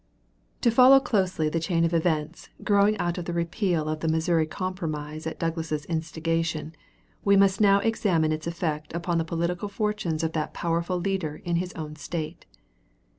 ] To follow closely the chain of events, growing out of the repeal of the Missouri Compromise at Douglas's instigation, we must now examine its effect upon the political fortunes of that powerful leader in his own State.